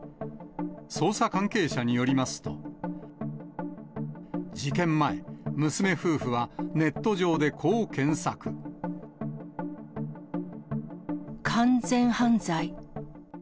捜査関係者によりますと、事件前、娘夫婦は、完全犯罪。